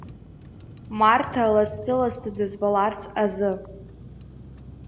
Марҭа лассы-лассы дызбаларц азы.